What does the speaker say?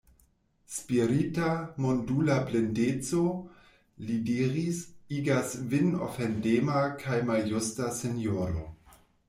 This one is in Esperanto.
Spirita, mondula blindeco, li diris, igas vin ofendema kaj maljusta, sinjoro.